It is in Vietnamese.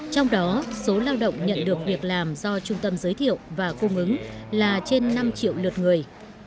trong đó số lao động nhận được việc làm do trung tâm giới thiệu và cung ứng là trên năm triệu lượt người